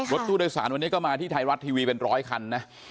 รถตู้โดยสารวันนี้ก็มาที่ไทยรัฐทีวีเป็นร้อยคันนะ